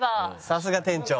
さすが店長。